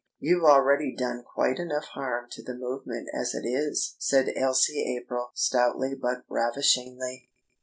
"You've already done quite enough harm to the movement as it is," said Elsie April stoutly but ravishingly.